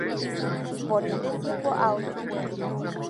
Ponen de cinco a ocho huevos.